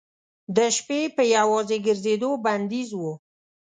د شپې په یوازې ګرځېدو بندیز و.